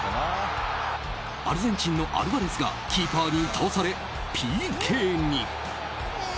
アルゼンチンのアルヴァレスがキーパーに倒されＰＫに。